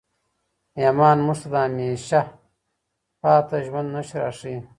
ایمان موږ ته د همېشهپاته ژوند نښې راښیي.